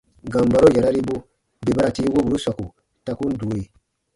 Gambaro yararibu bè ba ra tii woburu sɔku ta kun due.